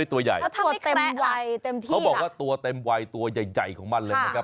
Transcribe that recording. แล้วถ้าไม่แคละล่ะเขาบอกว่าตัวเต็มไวตัวใหญ่ของมันเลยครับ